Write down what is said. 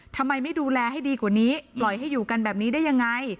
ทำไมไม่ดูแลให้ดีกว่านี้ปล่อยให้อยู่กันแบบนี้ได้ยังไง